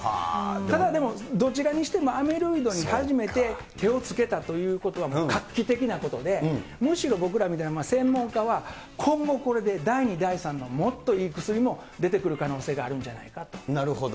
ただでも、どちらにしてもアミロイドに初めて手をつけたということは、画期的なことで、むしろ僕らみたいな専門家は、今後、これで第２、第３のもっといい薬も出てくる可能性があるんじゃななるほど。